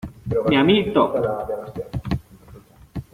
¡ mi amito!